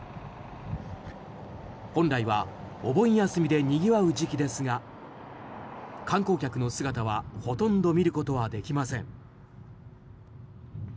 本来はお盆休みでにぎわう時期ですが観光客の姿はほとんど見ることはできません。